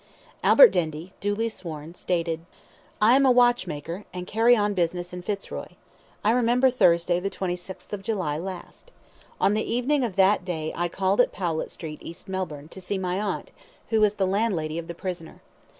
Albert Dendy, duly sworn, stated I am a watchmaker, and carry on business in Fitzroy. I remember Thursday, the 26th of July last. On the evening of that day I called at Powlett Street East Melbourne, to see my aunt, who is the landlady of the prisoner.